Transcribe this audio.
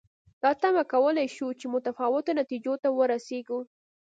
دا تمه کولای شو چې متفاوتو نتیجو ته ورسېږو.